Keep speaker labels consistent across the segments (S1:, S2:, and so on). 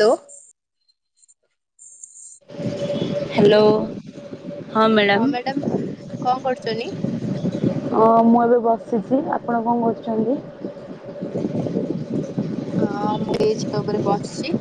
S1: ଲୋ
S2: hello
S1: hello
S2: ହଁ madam.
S1: କଣ କରୁଛନ୍ତି?
S2: ଅ ମୁଁ ଏବେ ବସିଚି ଆପଣ କଁ କରୁଚନ୍ତି?
S1: ହଁ ମୁଁ ଏଇ ଛାତ ଓପରେ ବସଚି।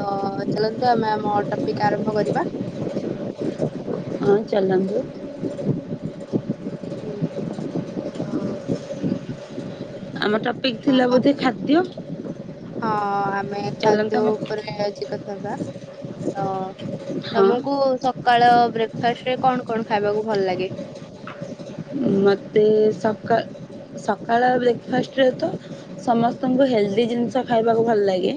S1: ତ ଚାଲନ୍ତୁ ଆମେ ଆମ ଟପିକ୍ ଆରମ୍ଭ କରିବା।
S2: ହଁ ଚାଲନ୍ତୁ।
S1: ହୁଁ ତ
S2: ଆମ ଟପିକ
S1: ଅ
S2: ଥିଲା ବୋଧେ ଖାଦ୍ୟ?
S1: ହଁ ଆମେ
S2: ଚାଲନ୍ତୁ
S1: ଖାଦ୍ୟ
S2: ଆମେ
S1: ଉପରେ ଆଜି କଥା ହେବା ତ
S2: ହଁ
S1: ତମକୁ ସକାଳ ବ୍ରେକଫାଷ୍ଟରେ କଣ କଣ ଖାଇବାକୁ ଭଲ ଲାଗେ?
S2: ମତେ ସକା ସକାଳ ବ୍ରେକ୍ଫାଷ୍ଟରେ ତ ସମସ୍ତଙ୍କୁ ହେଲ୍ଦି ଜିନିଷ ଖାଇବାକୁ ଭଲ ଲାଗେ।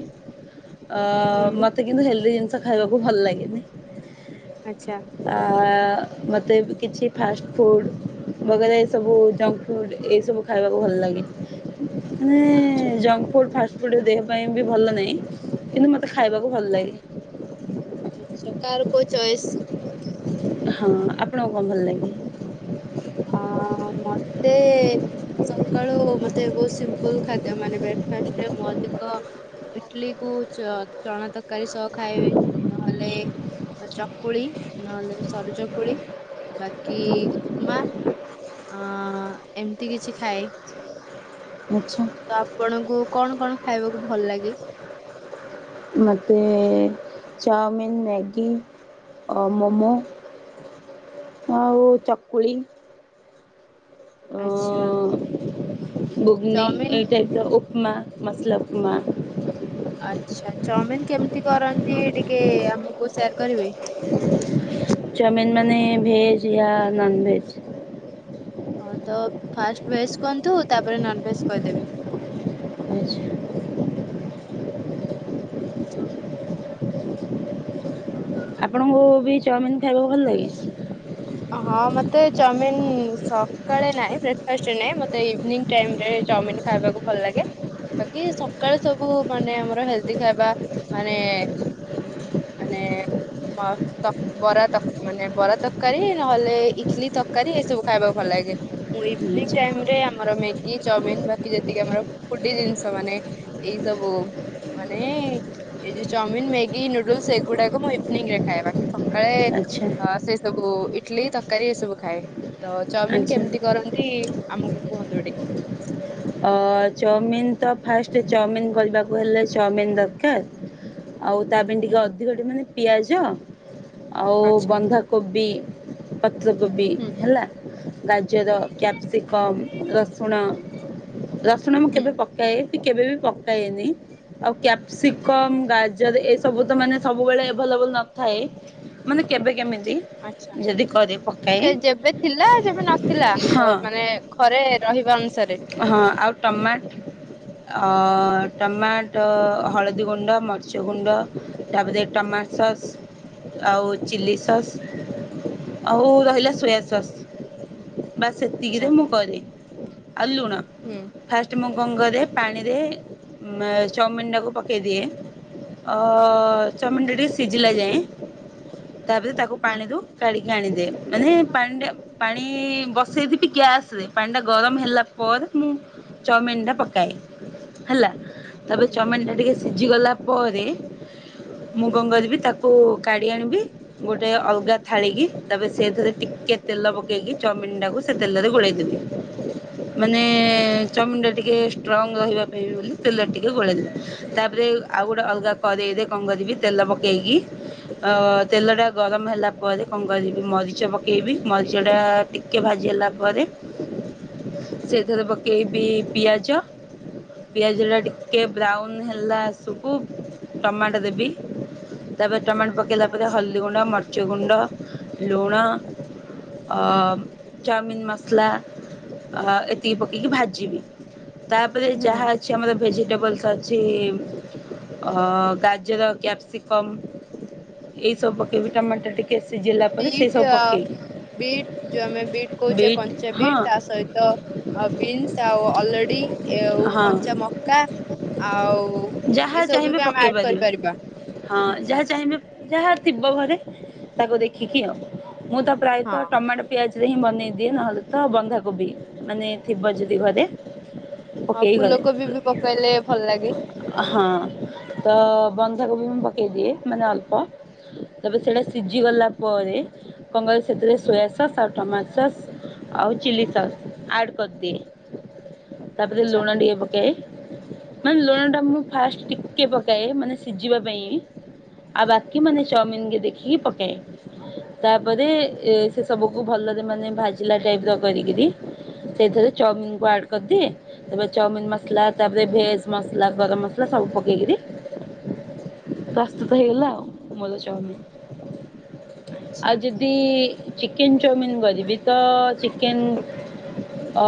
S1: ହୁଁ
S2: ମୋତେ କିନ୍ତୁ ହେଲ୍ଦି ଜିନିଷ ଖାଇବାକୁ ଭଲ ଲାଗେନି।
S1: ଆଛା।
S2: ଆ ମୋତେ ବି କିଛି ଫାଷ୍ଟଫୁଡ଼୍ ବଗେରା ଏସବୁ ଜଙ୍କ ଫୁଡ଼୍ ଏଇସବୁ ଖାଇବାକୁ ଭଲ ଲାଗେ। ମାନେ
S1: ଆଛା
S2: ଜଙ୍କ ଫୁଡ଼ ଫାଷ୍ଟଫୁଡ଼୍ ଦେହ ପାଇଁ ବି ଭଲ ନାହିଁ କିନ୍ତୁ ମୋତେ ଖାଇବାକୁ ଭଲ ଲାଗେ।
S1: ଆଚ୍ଛା କାର କୋଉ ଚଏସ୍।
S2: ହଁ ଆପଣଙ୍କୁ କଣ ଭଲ ଲାଗେ?
S1: ଅ ମତେ ସକାଳୁ ମତେ ବହୁତ ସିମ୍ପଲ ଖାଦ୍ୟ ମାନେ ବ୍ରେକ୍ଫାଷ୍ଟରେ ମୁଁ ଅଧିକ ଇଟଲି କୁ ଚଣା ତରକାରୀ ସହ ଖାଇବେ ନହେଲେ ଚକୁଳି ନହେଲେ ସରୁ ଚକୁଳି ବାକି ମା ଆ ଏମିତି କିଛି ଖାଏ।
S2: ଆଛା।
S1: ତ ଆପଣଙ୍କୁ କଣ କଣ ଖାଇବାକୁ ଭଲ ଲାଗେ।
S2: ମେ ଚାଉମିନ୍ ମ୍ୟାଗି ମୋମୋ। ଆଉ ଚକୁଳି। [unintelligible] [unintelligible]
S1: ଆଚ୍ଛା ଚାଉମିିନ
S2: ଉପମା ମସଲା ଉପମା
S1: ଆଚ୍ଛା ଚାଉମିିନ କେମିତି କରନ୍ତି ଟିକେ ଆମକୁ ସେୟାର କରିବେ?
S2: ଚାଉମିନ୍ ମାନେ ଭେଜ୍ ୟା ନନଭେଜ୍
S1: ହଁ ତ ଫାଷ୍ଟ ଭେଜ କୁହନ୍ତୁ ତାପରେ ନନ ଭେଜ କହିଦେବି।
S2: ଆପଣଙ୍କୁ ବି ଚାଉମିିନ ଖାଇବାକୁ ଭଲ ଲାଗେ?
S1: ହଁ ମୋତେ ଚାଉମିିନ ସକାଳେ ନାହିଁ ବ୍ରେକଫାଷ୍ଟ ରେ ନାହିଁ ମତେ ଇଭିନିଂ ଟାଇମ୍ ରେ ଚାଉମିନ ଖାଇବାକୁ ଭଲ ଲାଗେ? ବାକି ସକାଳେ ସବୁ ମାନେ ଆମର ହେଲଦି ଖାଇବା ମାନେ ମାନେ ବରା ତ ମାନେ ବରା ତକ ତରକାରୀ ନହେଲେ ଇଟଲି ତରକାରୀ ଏସବୁ ଖାଇବାକୁ ଭଲ ଲାଗେ। ମୁଁ ଇଭନିଙ୍ଗ୍
S2: ଆଚ୍ଛା
S1: ଟାଇମ ରେ ଆମର ମେଗି, ଚାଉମିନ, ବାକି ଯେତିକି ଆମର ଫୁଡି ଜିନିଷ ମାନେ ଏଇ ସବୁ ମାନେ ଏଇ ଯୋଉ ଚାଉମିିନ, ମେଗି, ନୁଡୁଲସ୍ ଏଗୁଡାକୁ ମୁଁ ଇଭିନିଂ ରେ ଖାଏ ବା ସକାଳେ
S2: ଆଚ୍ଛା
S1: ଅ ସେ ସବୁ ଇଟଲି ତରକାରୀ ଏ ସବୁ ଖାଏ। ତ ଚାଉମିିନ
S2: ଆଚ୍ଛା।
S1: କେମିତି କରନ୍ତି ଆମକୁ କୁହନ୍ତୁ ଟିକେ।
S2: ଅ ଚଉମିିନ ତ ଫାଷ୍ଟ ଚଉମିିନ ଗଲବାକୁ ହେଲେ ଚଉମିିନ ଦରକାର। ଆଉ ତା ପାଇଁ ଟିକେ
S1: ହୁଁ
S2: ଅଧିକ ଟି ମାନେ ପିଆଜ ଆଉ
S1: ଆଚ୍ଛା
S2: ବନ୍ଧା କୋବି ପତ୍ରକୋବି
S1: ହୁଁ।
S2: ହେଲା। ଗାଜର, କ୍ୟାପ୍ସିକମ୍, ରସୁଣ ରସୁଣ ମୁଁ କେବେ
S1: ହୁଁ।
S2: ପକାଏ ବି କେବେ ବି ପକାଏନି। ଆଉ କ୍ୟାପ୍ସିକମ୍ ଗାଜର ଏ ସବୁ ତ ମାନେ ସବୁବେଳେ ଏଭେଲେବଲ ନଥାଏ। ମାନେ କେବେ କେମିତି
S1: ଆଛା।
S2: ଯଦି କରେ ପକାଏ
S1: କେ ଯେବେ ଥିଲା ଯେବେ ନଥିଲା ତ
S2: ହଁ
S1: ମାନେ ପରେ ରହିବା ଅନୁସାର
S2: ହଁ ଆଉ ଟମାଟ୍। ଅ ଟମାଟ, ହଳଦୀ ଗୁଣ୍ଡ, ମର୍ଚ ଗୁଣ୍ଡ, ତାପରେ ଟମା ସସ୍ ଆଉ ଚିଲ୍ଲି ସସ୍ ଆଉ ରହିଲା ସୋୟା ସସ୍ ବା
S1: ଆଚ୍ଛା।
S2: ସେତିକିରେ ମୁଁ କରେ। ଆଲୁଣ।
S1: ହୁଁ
S2: ଫାଷ୍ଟ ମୁଁ କଣ କାରେ ପାଣିରେ ମ୍ -ଚଉମିିନଟାକୁ ପକେଇଦିଏ। ଅ ଚଉମିନ ଟା ଟିକେ ସିଝିଲା ଯାଏଁ ତାପରେ ତାକୁ
S1: ହୁଁ
S2: ପାଣି ଦୁ କାଢିକି ଆଣିଦି ମାନେ ପାଣି ଟା ପାଣି ବସେଇଥିବି ଗ୍ୟାସ୍ ରେ ପାଣି ଟା ଗରମ ହେଲା ମୁଁ ଚାଉମିନ ଟା ପକାଏ ହେଲା ତାପ
S1: ହୁଁ।
S2: ଚମିନ ଟା ଟିକେ ସିଝିଗଲା ପରେ ମୁଁ କଣ କରିବି ତାକୁ କାଢ଼ି ଆଣିବି। ଗୋଟେ ଅଲଗା ଥାଳିିକି ତାପରେ ସେଥିରେ ଟିକେ ତେଲ ପକେଇକି ଚମିନ ଟାକୁ ସେ ତେଲରେ ଗୋଳେଇଦେବି। ମାନେ
S1: ହୁଁ।
S2: ଚମିନ ଟା ଟିକେ ଷ୍ଟ୍ରଙ୍ଗ ରହିବା ପାଇଁ ବୋଲି ତେଲ ରେ ଟିକେ ଗୋଳେଇଦବେ ତାପରେ ଆଉ ଗୋଟେ ଅଲଗା କରେଇ ରେ କଣ କରିବି ତେଲ ପକେଇକି ଅ ତେଲ ଟା ଗରମ ହେଲା ପରେ କଣ କରିବି ମରିଚ ପକେଇବି ମରିଚ ଟା ଟିକେ ଭାଜି ହେଲା ପରେ ସେଥେରେ ପକେଇବି ପିଆଜ ପିଆଜ ଟା ଟିକେ ବ୍ରାଉନ୍ ହେଲା ସୁକୁ ଟମାଟ ଦେବି ତାପରେ ଟମାଟ ପକେଇଲା ପରେ
S1: ଆଚ୍ଛା।
S2: ହଲଦି ଗୁଣ୍ଡ ମ ଚଗୁଣ୍ଡ, ଲୁଣ, ଅ -ଚାଉମିିନ ମସଲା। ଅ ଏତିକି ପକେଇକି ଭାଜିବି ତାପରେ
S1: ହୁଁ
S2: ଯାହା ଛି ଆମର ଭେଜିଟେବଲ୍ସ୍ ଅଛି। ଅ ଗାଜର, କ୍ୟାପ୍ସିକମ୍ ଏଇ ସବୁ ପକେବି ଟମାଟ ଟିକ୍ କେ ସିଜିଲ୍
S1: ବିଟ୍ ଅ -ବିଟ୍ ଯୋଉ ଆମେ ବିଟ୍ କହୁଛେ କଞ୍ଚା ବିଟ୍ ତା ସ ସହିତ ବିନ୍ସ ଆଉ ଅଲଡି ଏ ଆଉ
S2: ହଁ
S1: କଞ୍ଚା ମକା। ଆଉ
S2: ଯାହା
S1: ଏସବୁ
S2: ଚାହିଁବେ
S1: ବି ଆମେ
S2: ପକେଇ
S1: ଆଡ
S2: ପାରିବେ
S1: କରିପାରିବା।
S2: ହଁ
S1: ଆଚ୍ଛା
S2: ଯାହା ଯା ଯାହା ଥିବ ଘରେ ତାକୁ ଦେଖିକି ଆଉ ମୁଁ ତ
S1: ହଁ
S2: ପ୍ରାୟତ ଟମାଟ ପିଆଜରେ ହିଁ ବନେଇଦିଏ ନହେଲେ ତ ବନ୍ଧାକୋବି ମାନେ ଥିବ ଯଦି ଘରେ।
S1: ହଁ
S2: ପକେଇ ଘରେ
S1: ଫୁଲକୋବି ବି ପକାଇଲେ ଭଲ ଲାଗେ।
S2: ହଁ ତ ବନ୍ଧାକୋବି ମୁଁ ପକାଇଦିଏ ମାନେ ଅଳ୍ପ। ତାପ ସେଡା ସିଝି ଗଲା ପରେ କଙ୍ଗ ସେଥିର ସୋୟାସସ୍ ଆଉ ଟମାଟ୍ ସସ୍ ଆଉ ଚି଼ଲ୍ଲୀ ସ ଆଡ କରିଦିଏ ତାପ ରେ
S1: ଆଚ୍ଛା
S2: ଲୁଣ ଟିଏ କେ ଏ ମାନେ ଲୁଣଟା ମୁଁ ଫାଷ୍ଟ ଟିକେ ପକାଏ ମାନେ ସିଝିବା ପାଇଁ। ଆଉ ବାକି ମାନେ ଚାଉମିିନ୍ ଦେଖିକି ପକାଏ। ତାପରେ ସେ ସବୁକୁ ଭଲରେ ମାନେ ଭାଜିଲା ଟାଇପ ର କରିକିରି ସେଇଥିରେ ଚାଉମିନ କୁ ଆଡ କରିଦିଏ। ତାପରେ ଚାଉମିନ ମସଲା ତାପରେ ଭେଜ୍ ମସଲା, ଗରମ ମସଲା ସବୁ ପକେଇକିରି ପ୍ରସ୍ତୁତ ହେଇଗଲା ଆଉ ମଲ ଚାଉମିନ୍।
S1: ଆଚ୍ଛା
S2: ଆଉ ଯଦି ଚିକେନ ଚାଉମିିନ କରିବେତ ତ ଚିକେନ ଅ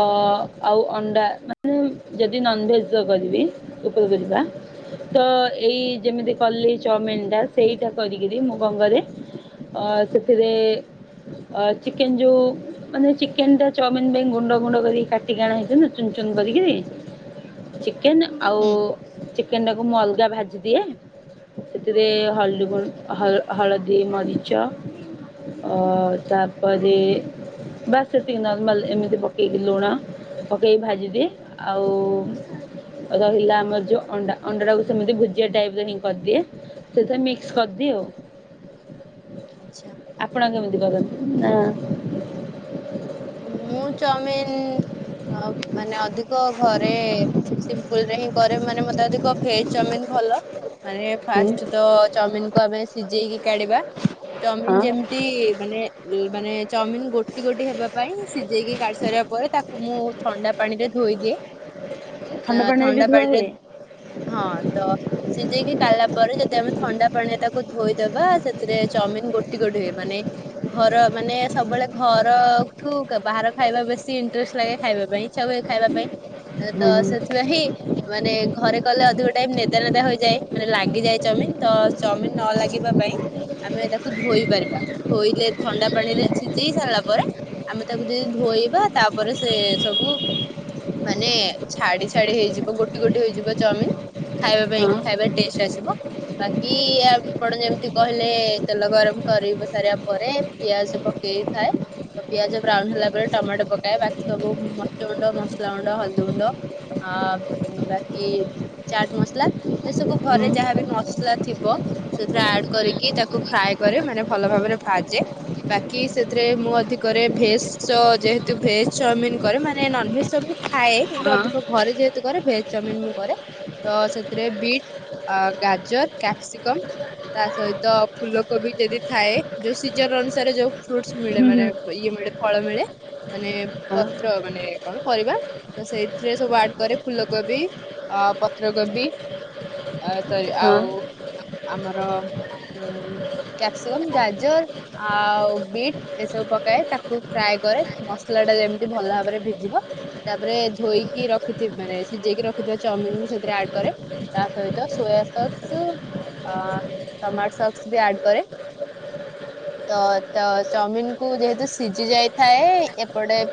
S2: ଆଉ ଅଣ୍ଡା ମାନେ ଯଦି ନନଭେଜରେ କରିବି [inaudible] [unintelligible] ତ ଏଇ ଯେମିତି କଲି ଚାଉମିିନଟା ସେଇଟା କରିକିରି ମୁଁ କଣ କରେ ଅ ସେଥିରେ ଚିକେନ ଯୋଉ ମାନେ ଚିକେନ ଚଉମିନ ପାଇଁ ଗୁଣ୍ଡ ଗୁଣ୍ଡ କରି କାଟିକିଣା ଆଣନ୍ତି ନା ଚୁନ ଚୁନ କରିକିରି। ଚିକେନ୍ ଆଉ
S1: ହୁଁ
S2: ଚିକେନଟାକୁ ମୁଁ ଅଲଗା ଭାଜିଦିଏ। ଏଥିରେ ହଳଦୀ ଗୁଣ୍ଡ ହଳ ହଳଦୀ ମରିଚ ଅ ତାପରେ ବାସ ସେତିକି ଥାଉ। ଏମିତି ପକେଇକି ଲୁଣ ପକେଇକି ଭାଜିଦିଏ ଆଉ ଆଉ ରହିଲା ଆମର ଯୋଉ ଅଣ୍ଡା ଅଣ୍ଡାଟାକୁ ସେମିତି ଭୁଜିଆ ଟାଇପ ର ହିଁ କରିଦିଏ। ସେଥିରେ ମିକ୍ସ କରିଦିଏ ଆଉ।
S1: ଆଚ୍ଛା।
S2: ଆପଣ କେମିତି କରନ୍ତି ନା
S1: ମୁଁ ଚାଉମିିନ ହଁ ମାନେ ଅଧିକ ଘରେ ସିମ୍ପଲ ରେ ହିଁ କରେ ମାନେ ମତେ ଅଧିକ ଭେଜ ଚାଉମିନ ଭଲ ମାନେ
S2: ହଁ
S1: ଫାଷ୍ଟ ତ ଚାଉମିିନ କୁ ଆମେ ସିଝେଇକି କାଢିବା ଚାଉମିିନ ଯେମିତି ମାନେ ମାନେ ଚାଉମିନ ଗୋଟି ଗୋଟି ହେବା ପାଇଁ ସିଝେଇକି କାଢି ସାରିବା ପରେ ତାକୁ ମୁଁ ଥଣ୍ଡା ପାଣି ରେ ଧୋଇ ଦିଏ। ତ
S2: ବି
S1: ଥଣ୍ଡା
S2: ଧୁଆ
S1: ପାଣିରେ
S2: ହୁଏ
S1: ହଁ ତ ସିଝେଇକି କାଲା ପରେ ଯଦି ଆମେ ଥଣ୍ଡା ପାଣି ତାକୁ ଧୋଇଦବା ସେଥିରେ ଚାଉମିନ ଗୋଟି ଗୋଟି ହୁଏ ମାନେ ଘର ମାନେ ସବୁବେଳେ ଘର ଠୁ ବାହାର ଖାଇବା ବେଶି ଇଣ୍ଟରେଷ୍ଟ ଲାଗେ ଖାଇବା ଇଚ୍ଛା ହୁଏ ଖାଇବା ପାଇଁ। ତ ସେଥିପାଇଁ ହିଁ ମାନେ ଘରେ କଲେ ଅଧିକ ଟାଇମ୍ ନେଦା ନେଦା ହେଇଯାଏ ମାନେ ଲାଗିଯାଏ। ଚମିନ ତ ଚମିନ ନ ଲାଗିବା ପାଇଁ ଆମେ ତାକୁ ଧୋଇ ପାରିବା ଧୋଇଲେ ଥଣ୍ଡା ପାଣିରେ ସିଝେଇ ସାରିଲା ପରେ ଆମେ ତାକୁ ଯଦି ଧୋଇବା ତାପରେ ସେ ସବୁ ମାନେ ଛାଡି ଛାଡି ହେଇଯିବ ଗୋଟି ଗୋଟି ହେଇଯିବ ଚାଉମିନ। ଖାଇବା ପାଇଁ ଖାଇବା ଟେଷ୍ଟ ଆସିବ। ବାକି ଆପଣ ଯେମିତି କହିଲେ ତେଲ ଗରମ କରି ସାରିବା ପରେ ପିଆଜ ପକେଇ ଥାଏ। ପିଆଜ ବ୍ରାଉନ ହେଲା ପରେ ଟମାଟୋ ପକାଏ ବାକି ସବୁ ମରିଚ ଗୁଣ୍ଡ, ମସଲା ଗୁଣ୍ଡ, ହଳଦୀ ଗୁଣ୍ଡ ଆ ବାକି ଚାଟ ମସଲା ଏସବୁ ଘରେ ଯାହାବି ମସଲା ଥିବ ସେଥିରେ ଆଡ କରିକି ତାକୁ ଫ୍ରାଏ କରେ ମାନେ ଭଲ ଭାବରେ ଭାଜେ। ବାକି ସେଥିରେ ମୁଁ ଅଧିକ କରେ ଭେଜ ଯେହେତୁ ଭେଜ ଚାଉମିିନ କରେ ମାନେ ନନ ଭେଜ ଚାଉମିନ ଖାଏ କିନ୍ତୁ ଅଧିକ ଘରେ ଯେହେତୁ ରେ ଭେଜ ଚାମିନ ମୁଁ କରେ ତ ସେଥିରେ ବିଟ୍, ଗାଜର, କ୍ୟାପସିକମ ତା ସହିତ ଫୁଲକୋବି ଯଦି ଥାଏ। ଯୋଉ ସିଜନ ଅନୁସାରେ ଯୋଉ ଫ୍ରୁଟସ ମିଳେ ମାନେ ଇଏ ମିଳେ ଫଳ ମିଳେ। ମାନେ ପତ୍ର ମାନେ କଣ ପରିବା ତ ସେଇଥିରେ ସବୁ ଆଡ କରେ ଫୁଲକୋବି। ଅ ପତ୍ରକୋବି ସରି ଆଉ ଆମର ଉ କ୍ୟାପସିକମ୍ ଗାଜର ଆଉ ବିଟ୍ ଏସବୁ ପକାଏ ତାକୁ ଫ୍ରାଏ କରେ ମସଲା ଟା ଯେମିତି ଭଲ ଭାବରେ ଭିଜିବ। ତାପରେ ଧୋଇକି ରଖି ମାନେ ସିଝେଇକି ରଖିଥିବା ଚାଉମିନକୁ ସେଥିରେ ଆଡ କରେ। ତା ସହିତ ସୋୟା ସକ୍ସ ଅ ଟମାଟ ସକ୍ସ ବି ଆଡ଼ କରେ ତ ତ ଚମିିନ କୁ ଯେହେତୁ ସିଜି ଯାଇଥାଏ ଏପଟେ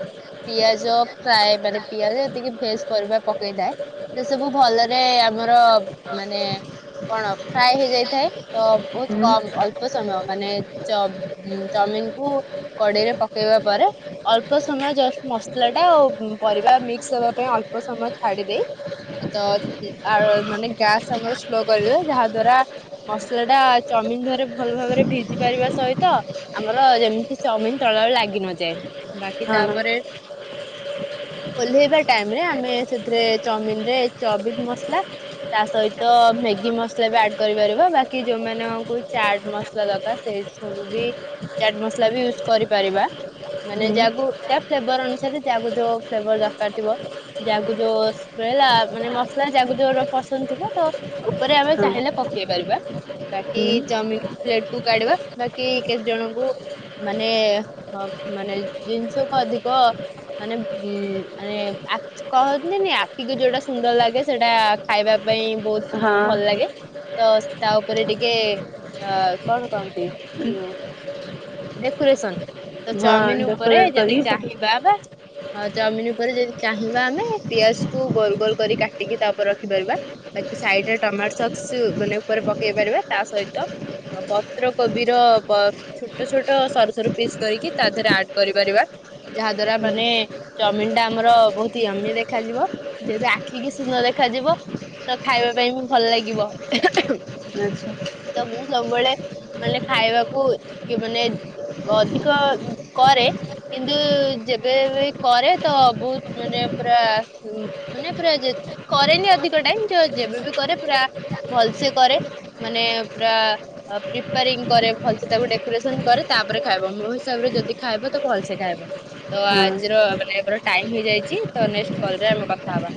S1: ପିଆଜ ଫ୍ରାଏ ମାନେ ପିଆଜ ଏତିକି ଭେଜ ପରିବା ପକେଇଥାଏ। ସେ ସବୁ ଭଲରେ ଆମର ମାନେ କଣ ଫ୍ରାଏ ହେଇଯାଇଥାଏ ତ ବହୁତ କମ ଅଳ୍ପ ସମୟ ମାନେ ଚ ହୁଁ ଚମିିନକୁ କଡେଇରେ ପକେଇବା ପରେ ଅଳ୍ପ ସମୟ ଜଷ୍ଟ ମସଲାଟା ଆଉ ପରିବା ମିକ୍ସ ହବା ପାଇଁ ଅଳ୍ପ ସମୟ ଛାଡ଼ି ଦେଇ ତ ଆ ମାନେ ଗ୍ୟାସ୍ ଆମର ସ୍ଲୋ କରିଦବା ଯାହା ଦ୍ଵାରା ମସଲାଟା ଚମିନ ଦେହରେ ଭଲ ଭାବରେ ଭିଜି ପାରିବା ସହିତ ଆମର ଯେମ୍ ଇ ଚମିନ ତଳ ଆଉ ଲାଗି ନଯାଏ ବାକି ତାପରେ ଓହ୍ଲେଇବା ଟାଇମ୍ ରେ ଆମେ ସେଥିରେ ଚମିନ ରେ ଚମିନ ମସଲା ତା ସହିତ ମେଗି ମସଲା ବି ଆଡ଼୍ କରିପାରିବା ବାକି ଯୋଉମାନଙ୍କୁ ଚାଟ ମସଲା ଦରକାର ସେସ୍ ସବୁ ବି ଚାଟ ମସଲା ବି ୟୁଜ କରିପାରିବା ମାନେ ଯାହାକୁ ତା ଫ୍ଲେବର୍ ଅନୁସାରେ ଯାହାକୁ ଯୋଉ ଫ୍ଲେବର୍ ଦରକାର ଥିବ। ଯାହାକୁ ଯୋଉ ସ୍ମେଲ୍ ଆ ମାନେ ମସଲା ଯାହାକୁ ଯୋଉରା ପସନ୍ଦ ଥିବ ତ ଉପରେ ଆମେ ଚାହିଁଲେ ପକେଇ ପାରିବା। ବାକି ଚମିିନକୁ ପ୍ଲେଟକୁ କାଢ଼ିବା ବାକି କେତେ ଜଣଙ୍କୁ ମାନେ ହ ମାନେ ଜିନିଷକୁ ଅଧିକ ମାନେ ଉଁ ମାନେ ଆ ଚି କହନ୍ତିନି ଆଖିକୁ ଯୋଉଟା ସୁନ୍ଦର ଲାଗେ ସେଇଟା ଖାଇବା ପାଇଁ ବହୁତ ଭଲ ଲାଗେ। ତ ତା ଓପରେ ଟିକେ ଅ କଣ କହନ୍ତି ଯୋଉ ଡେକୋରେସନ୍ ତ ଚମିନ ଉପରେ ଯଦି ଚାହିଁବା ବା ହଁ ଚମିନ ଉପରେ ଯଦି ଚାହିଁବା ଆମେ ପିଆଜକୁୁ ଗୋଲ ଗୋଲ କରି କାଟିକି ତା ଓପରେ ରଖିପାରିବା। ବାକି ସାଇଡ଼ରେ ଟମାଟ ସକ୍ସ ମାନେ ଉପରେ ପକେଇ ପାରିବା ତା ସହିତ ଅ ପତ୍ର କୋବିର ପ ଟ ଛୋଟ ସରୁ ସରୁ ପିସ୍ କରିକି ତା ଧିଅରେ ଆଡ୍ କରିପାରିବା। ଯାହା ଦ୍ଵାରା ମାନେ ଚମିନଟା ଆମର ବହୁତ ୟମି ଦେଖାଯିବ। ଯେହେତୁ ଆଖି କି ସୁନ୍ଦର ଦେଖାଯିବ ତ ଖାଇବା ପାଇଁ ବି ଭଲ ଲାଗିବ। ତ ମୁଁ ସବୁବେଳେ ମାନେ ଖାଇବାକୁ କି ମାନେ କ ଅଧିକ କରେ। କିନ୍ତୁ ଯେବେ ବି କରେ ତ ବହୁତ ମାନେ ପୁରା ମାନେ ପୁରା ଯେ କରେନି ଅଧିକ ଟାଇମ୍ ଯ ଯେବେ ବି କରେ ପୁରା ଭଲସେ କରେ ମାନେ ପୁରା ପ୍ରିପାରିଂ କରେ ଭଲସେ ତାକୁ ଡେ ପ୍ରେସନ୍ କରେ ତାପରେ ଖାଇବ ମୋ ହିସାବରେ ଯଦି ଖାଇବ ତ ଭଲସେ ଖାଇବ। ତ ଆଜିର ମାନେ ଆମର ଟାଇମ୍ ହେଇଯାଇଚି ତ ନେକ୍ସଟ କଲରେ ଆମେ କଥା ହବା।